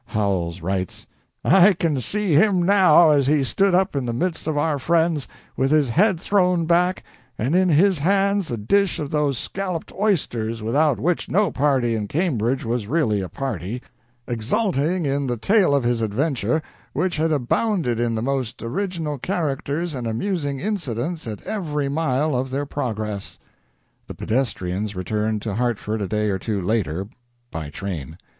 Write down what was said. Howells writes: "I can see him now as he stood up in the midst of our friends, with his head thrown back, and in his hands a dish of those scalloped oysters without which no party in Cambridge was really a party, exulting in the tale of his adventure, which had abounded in the most original characters and amusing incidents at every mile of their progress." The pedestrians returned to Hartford a day or two later by train.